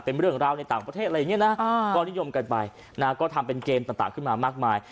เป็นเรื่องราวในต่างประเทศอะไรอย่างนี้นะก็นิยมกันไปนะก็ทำเป็นเกมต่างขึ้นมามากมาย